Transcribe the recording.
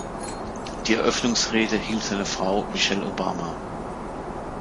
Die Eröffnungsrede hielt seine Frau Michelle Obama.